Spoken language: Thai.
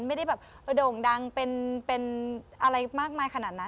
ไม่ได้แบบโด่งดังเป็นอะไรมากมายขนาดนั้น